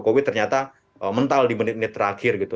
jokowi ternyata mental di menit menit terakhir gitu